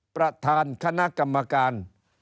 ประธานคณะกรรมการ